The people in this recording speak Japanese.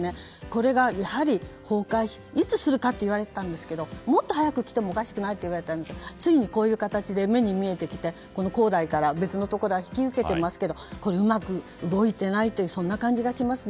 これが崩壊、いつするかと言われていたんですがもっと早く来てもおかしくないといわれましたがついに、こういう形で目に見えてきて、恒大から別のことが引き受けていますけどうまく動いていないそんな感じがします。